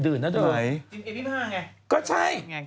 ดื่นเที่ยงที่๒๕ไงก็ใช่